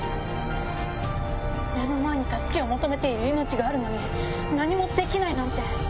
目の前に助けを求めている命があるのに何もできないなんて！